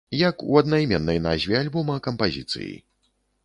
Як у аднайменнай назве альбома кампазіцыі.